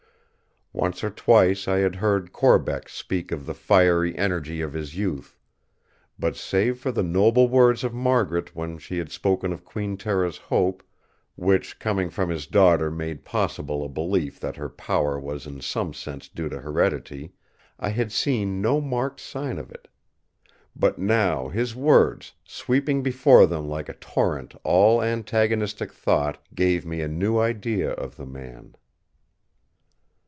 Once or twice I had heard Corbeck speak of the fiery energy of his youth; but, save for the noble words of Margaret when she had spoken of Queen Tera's hope—which coming from his daughter made possible a belief that her power was in some sense due to heredity—I had seen no marked sign of it. But now his words, sweeping before them like a torrent all antagonistic thought, gave me a new idea of the man.